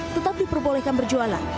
tetap diperbolehkan berjualan